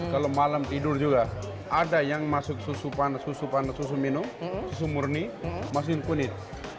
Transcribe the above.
kalau malam tidur juga ada yang masuk susu panas susu minum susu murni masukin kunyit